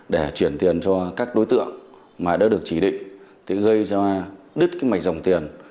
để chuyển tiền cho các đối tượng mà đã được chỉ định gây ra đứt cái mạch dòng tiền